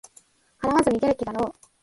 払わず逃げる気だろう